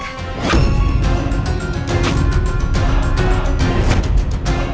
aduh aduh tr coins